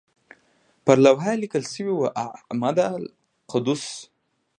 پر لوحه یې لیکل شوي وو اعمده القدس.